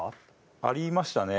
ありましたね。